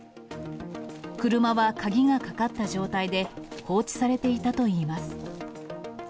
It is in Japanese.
車は鍵がかかった状態で放置されていたといいます。